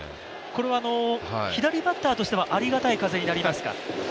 これは左バッターとしてはありがたい風になりますか？